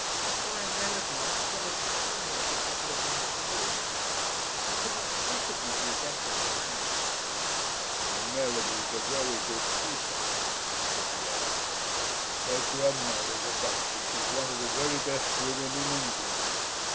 Sophia Mellerby has promised to come here for a couple of months in the winter. He could not possibly do better than that." "The Mellerbys are very good people," said the Earl. "Her grandmother, the duchess, is one of the very best women in England.